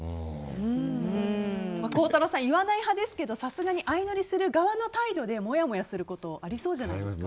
孝太郎さん、言わない派ですがさすがに相乗りする側の態度でもやもやすることありそうじゃないですか。